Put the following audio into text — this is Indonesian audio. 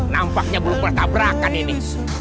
nampaknya belum bertabrakan ini